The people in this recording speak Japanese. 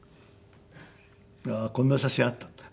こんな写真あったんだ。